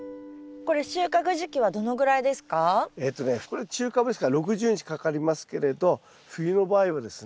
これ中カブですから６０日かかりますけれど冬の場合はですね